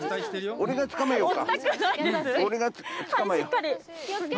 俺がつかまえようか？